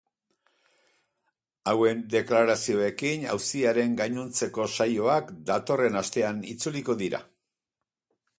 Hauen deklarazioekin auziaren gainontzeko saioak datorren astean itzuliko dira.